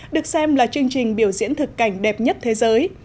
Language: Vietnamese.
được xem là chương trình biểu diễn thực cảnh đẹp nhất thế giới